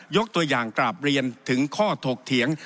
ยกตัวอย่างกราบเรียนถึงข้อถกเถียง